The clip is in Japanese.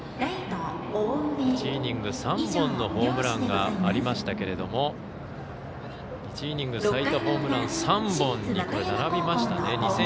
１イニング３本のホームランがありましたけれども１イニング最多ホームラン３本に並びましたね。